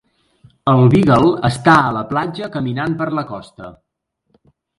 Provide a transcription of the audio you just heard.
El beagle està a la platja caminant per la costa